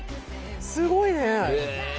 すごいね。